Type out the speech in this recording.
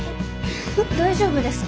大丈夫です。